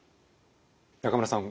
中村さん